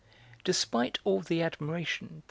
Despite all the admiration that M.